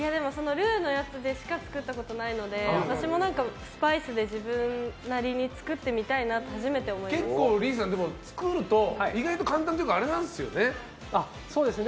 ルーのやつでしか作ったことないので私もスパイスで自分なりに作ってみたいなと結構、ＬＥＥさん、作ると意外と簡単というかあれなんですよね。